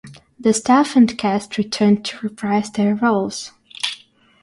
The staff and cast returned to reprise their roles.